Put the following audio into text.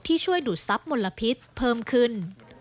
ช่วยดูดทรัพย์มลพิษเพิ่มขึ้น